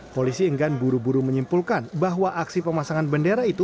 polisi enggan buru buru menyimpulkan bahwa aksi pemasangan bendera itu